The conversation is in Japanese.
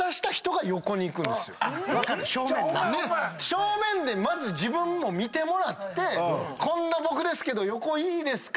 正面でまず自分も見てもらってこんな僕ですけど横いいですか？